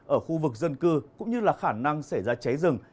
ở khu vực dân cư cũng như là khả năng xảy ra cháy rừng